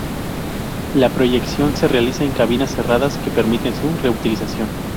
La proyección se realiza en cabinas cerradas que permiten su reutilización.